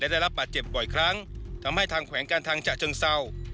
และได้รับปลาเจ็บบ่อยครั้งทำให้ทางแขวงการทางชะเชิงเซาไปไล่